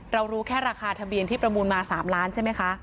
รู้แค่ราคาทะเบียนที่ประมูลมา๓ล้านใช่ไหมคะ